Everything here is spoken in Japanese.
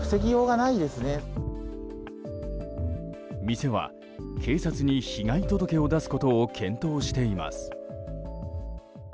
店は、警察に被害届を出すことを検討しています。